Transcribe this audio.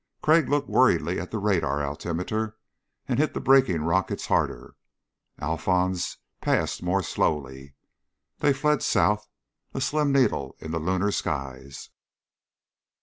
Crag looked worriedly at the radar altimeter and hit the braking rockets harder. Alphons passed more slowly. They fled south, a slim needle in the lunar skies.